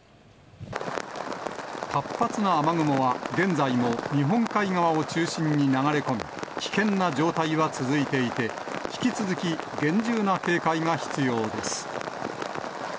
活発な雨雲は現在も日本海側を中心に流れ込み、危険な状態は続いていて、引き続き厳重な警戒が必要です。